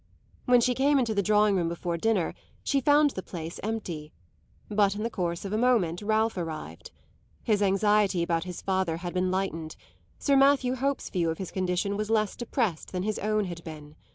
When she came into the drawing room before dinner she found the place empty; but in the course of a moment Ralph arrived. His anxiety about his father had been lightened; Sir Matthew Hope's view of his condition was less depressed than his own had been.